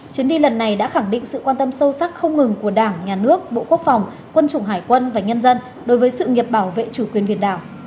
chuyến đi lần này đã khẳng định sự quan tâm sâu sắc không ngừng của đảng nhà nước bộ quốc phòng quân chủng hải quân và nhân dân đối với sự nghiệp bảo vệ chủ quyền biển đảo